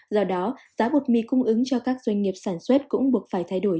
do đó giá bột mì cung ứng cho các doanh nghiệp sản xuất cũng buộc phải thay đổi